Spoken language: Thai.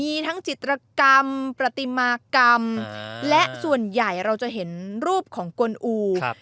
มีทั้งจิตรกรรมประติมากรรมและส่วนใหญ่เราจะเห็นรูปของกลอูครับ